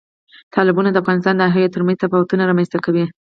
تالابونه د افغانستان د ناحیو ترمنځ تفاوتونه رامنځ ته کوي.